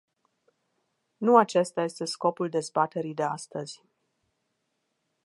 Nu acesta este scopul dezbaterii de astăzi.